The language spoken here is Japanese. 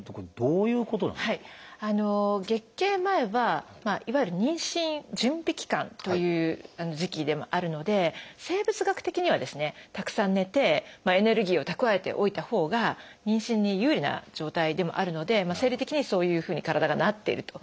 月経前はいわゆる妊娠準備期間という時期でもあるので生物学的にはですねたくさん寝てエネルギーを蓄えておいたほうが妊娠に有利な状態でもあるので生理的にそういうふうに体がなっていると。